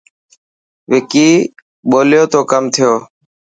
وڪي ٻولو ته ڪم ٿيو.